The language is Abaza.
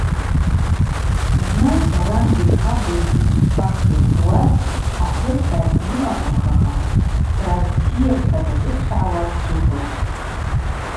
Зны Барамби-хъабыжь йтшква шйырхӏвуаз ахӏвырта йымагвымхахан хӏвра бзийырта дазыпшгӏауа дджвыквылтӏ.